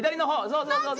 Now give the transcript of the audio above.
そうそうそう。